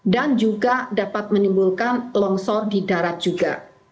dan juga dapat menimbulkan longsor di darat juga